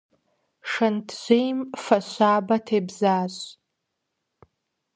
Шэнт жьейм фэ щабэ тебзащ.